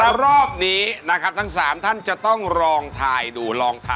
แล้วรอบนี้นะครับทั้ง๓ท่านจะต้องลองถ่ายดู